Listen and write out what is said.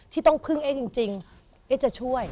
ที่ต้องพึ่งเอ๊ะจริงเอ๊ะจะช่วย